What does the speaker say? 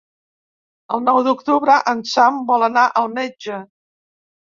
El nou d'octubre en Sam vol anar al metge.